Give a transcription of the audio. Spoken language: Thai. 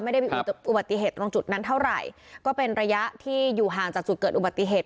ไม่ได้มีอุบัติเหตุตรงจุดนั้นเท่าไหร่ก็เป็นระยะที่อยู่ห่างจากจุดเกิดอุบัติเหตุ